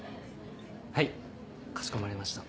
はいかしこまりました。